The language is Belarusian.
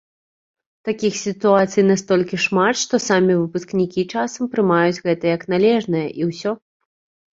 Такіх сітуацый настолькі шмат, што самі выпускнікі часам прымаюць гэта як належнае, і ўсё.